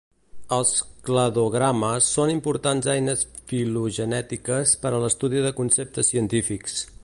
Els cladogrames són importants eines filogenètiques per a l'estudi de conceptes científics.